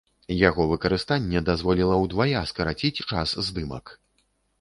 Яго выкарыстанне дазволіла ўдвая скараціць час здымак.